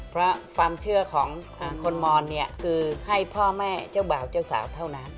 เพราะความเชื่อของคนมอนเนี่ยคือให้พ่อแม่เจ้าบ่าวเจ้าสาวเท่านั้น